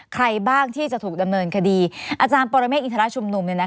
ใครบ้างที่จะถูกดำเนินคดีอาจารย์ปรเมฆอินทรชุมนุม